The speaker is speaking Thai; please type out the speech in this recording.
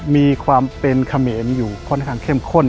มีความเป็นเขมรอยู่ค่อนข้างเข้มข้น